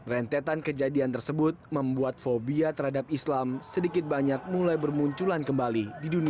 rentetan kejadian tersebut membuat fobia terhadap islam sedikit banyak mulai bermunculan kembali di dunia